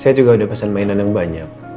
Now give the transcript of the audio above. saya juga udah pesan mainan yang banyak